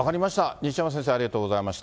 西山先生、ありがとうございました。